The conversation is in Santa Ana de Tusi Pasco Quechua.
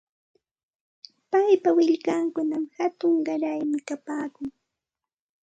Paypa willkankunam hatun qaraymi kapaakun.